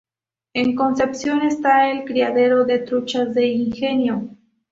En Concepción está el criadero de truchas de Ingenio.